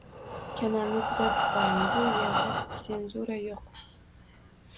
Kanalni kuzatib boring, bu erda tsenzura yo'q